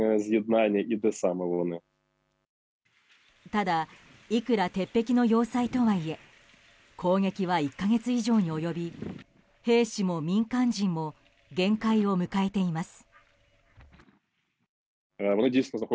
ただ、いくら鉄壁の要塞とはいえ攻撃は１か月以上に及び兵士も民間人も限界を迎えています。